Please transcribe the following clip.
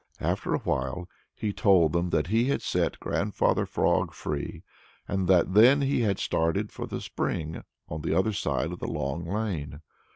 After a while, he told them that he had set Grandfather Frog free and that then he had started for the spring on the other side of the Long Lane.